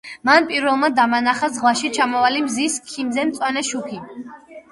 მან პირველმა დამანახა ზღვაში ჩამავალი მზის ქიმზე მწვანე შუქი.